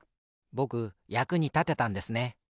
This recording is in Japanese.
ぼくやくにたてたんですね。